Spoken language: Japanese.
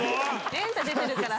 エンタ出てるから。